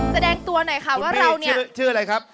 แสดงตัวหน่อยค่ะว่าเราเนี่ยชื่ออะไรครับ